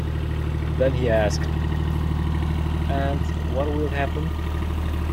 Then he asked: "And what will happen?"